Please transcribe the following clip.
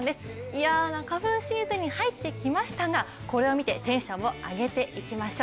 嫌な花粉シーズンに入ってきましたがこれを見てテンションを上げていきましょう。